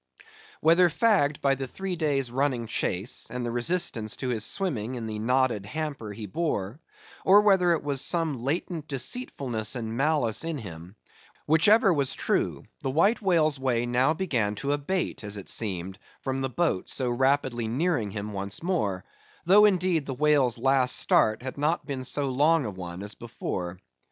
Whether fagged by the three days' running chase, and the resistance to his swimming in the knotted hamper he bore; or whether it was some latent deceitfulness and malice in him: whichever was true, the White Whale's way now began to abate, as it seemed, from the boat so rapidly nearing him once more; though indeed the whale's last start had not been so long a one as before.